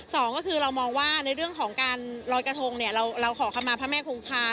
สองก็คือเรามองว่าในเรื่องของการลอยกระทงเนี่ยเราขอคำมาพระแม่คงคา